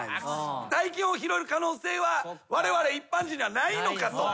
大金を拾える可能性はわれわれ一般人にはないのかと。